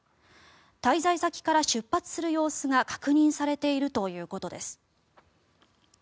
滞在先から出発する様子が確認されているということです。